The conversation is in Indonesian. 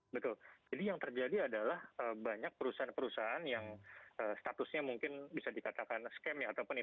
betul jadi yang terjadi adalah banyak perusahaan perusahaan yang statusnya mungkin bisa dikatakan scam atau penipuan itu mereka hanya menumpang terhadap